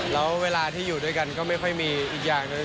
แล้วเวลาที่อยู่ด้วยกันก็ไม่ค่อยมีอีกอย่างหนึ่ง